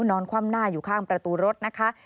นอนคว่ำหน้าอยู่ข้างประตูรถนะคะ